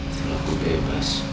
setelah aku bebas